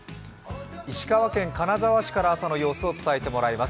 石川県金沢市から朝の様子を伝えていただきます。